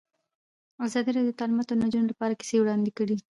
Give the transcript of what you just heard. ازادي راډیو د تعلیمات د نجونو لپاره کیسې وړاندې کړي.